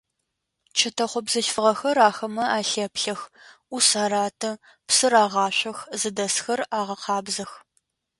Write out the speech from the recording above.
Чэтэхъо бзылъфыгъэхэр ахэмэ алъэплъэх, ӏус араты, псы рагъашъох, зыдэсхэр агъэкъабзэх.